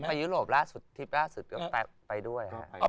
ไปยุโรปของทีล่าสุดก็ไปด้วยครับ